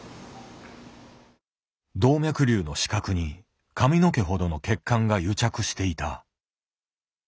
動脈瘤の死角に髪の毛ほどの血管が癒着していた。